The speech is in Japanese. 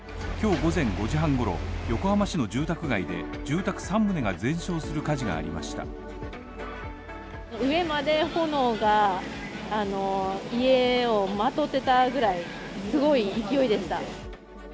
今日午前５時半ごろ、横浜市の住宅街で住宅３棟が全焼する火事がありました。